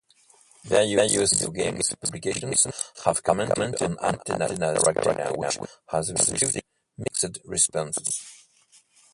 Various video games publications have commented on Athena's character, which has received mixed responses.